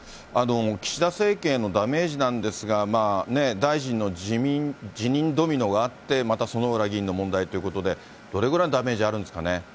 岸田政権へのダメージなんですが、大臣の辞任ドミノがあって、また薗浦議員の問題ということで、どれぐらいのダメージあるんですかね。